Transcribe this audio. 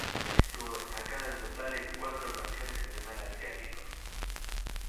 Estuvo destacada en total en cuatro ocasiones en el mar Adriático.